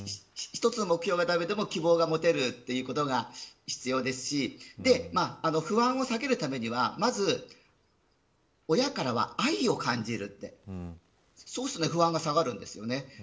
１つの目標が駄目でも希望が持てるということが必要ですし不安を避けるためにはまず親からは愛を感じるってそうすると不安が下がるんです。